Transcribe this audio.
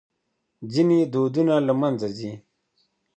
ځينې دودونه له منځه ځي.